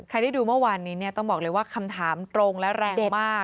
ได้ดูเมื่อวานนี้ต้องบอกเลยว่าคำถามตรงและแรงมาก